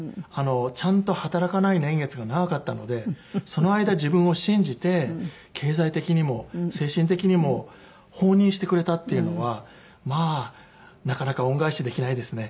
ちゃんと働かない年月が長かったのでその間自分を信じて経済的にも精神的にも放任してくれたっていうのはまあなかなか恩返しできないですね。